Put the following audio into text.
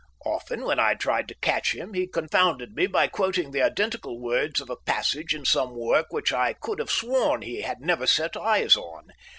Often, when I tried to catch him, he confounded me by quoting the identical words of a passage in some work which I could have sworn he had never set eyes on.